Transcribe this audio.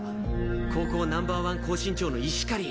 高校ナンバーワン高身長の石狩。